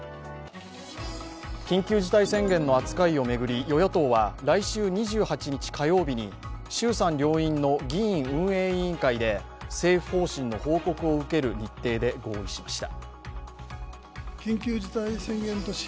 緊急事態宣言の扱いを巡り与野党は来週２８日火曜日に衆参両院の議院運営委員会で政府方針の報告を受ける日程で合意しました。